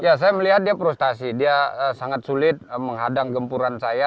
ya saya melihat dia frustasi dia sangat sulit menghadang gempuran saya